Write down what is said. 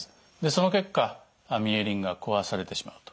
その結果ミエリンが壊されてしまうと。